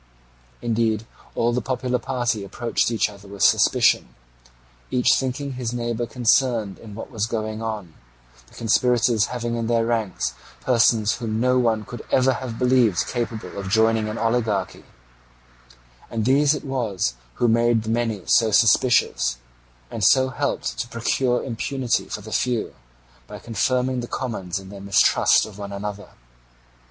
Indeed all the popular party approached each other with suspicion, each thinking his neighbour concerned in what was going on, the conspirators having in their ranks persons whom no one could ever have believed capable of joining an oligarchy; and these it was who made the many so suspicious, and so helped to procure impunity for the few, by confirming the commons in their mistrust of one another.